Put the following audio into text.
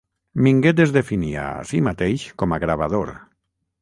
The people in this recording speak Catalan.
Minguet es definia a si mateix com a gravador.